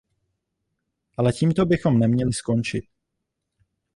Ale tímto bychom neměli skončit.